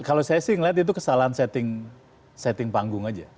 kalau saya sih melihat itu kesalahan setting panggung aja